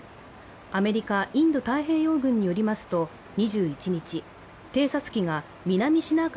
アメリカ・インド太平洋軍によりますと、２１日、偵察機が南シナ海